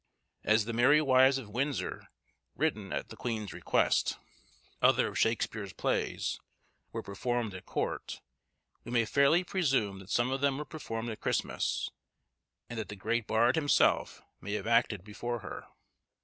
As the 'Merry Wives of Windsor,' written at the queen's request, and other of Shakespeare's plays, were performed at court, we may fairly presume that some of them were performed at Christmas, and that the great Bard himself may have acted before her.